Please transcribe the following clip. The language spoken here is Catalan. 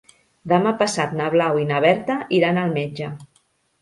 Demà passat na Blau i na Berta iran al metge.